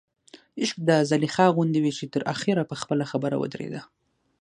عشق د زلیخا غوندې وي چې تر اخره په خپله خبر ودرېده.